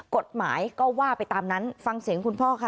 กฎหมายก็ว่าไปตามนั้นฟังเสียงคุณพ่อค่ะ